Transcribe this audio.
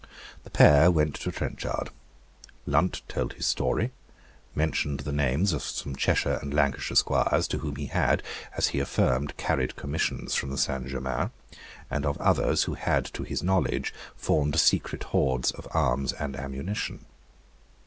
The pair went to Trenchard. Lunt told his story, mentioned the names of some Cheshire and Lancashire squires to whom he had, as he affirmed, carried commissions from Saint Germains, and of others, who had, to his knowledge, formed secret hoards of arms and ammunition.